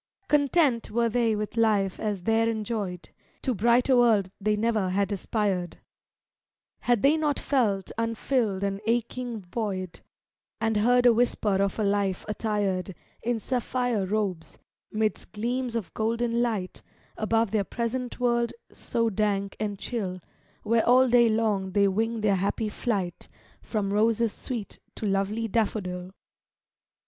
Content were they with life as there enjoyed; To brighter world they never had aspired, Had they not felt unfilled an aching void, And heard a whisper of a life attired In sapphire robes, 'midst gleams of golden light, Above their present world, so dank and chill, Where all day long they wing their happy flight From roses sweet to lovely daffodil.